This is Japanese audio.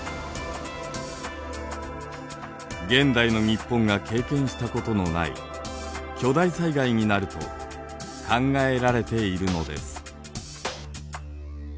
現代の日本が経験したことのない巨大災害になると考えられているのです。